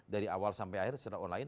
dari awal sampai akhir secara online